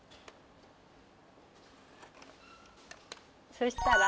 そしたら。